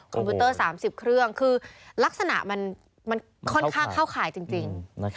พิวเตอร์๓๐เครื่องคือลักษณะมันค่อนข้างเข้าข่ายจริง